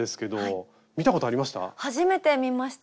初めて見ました。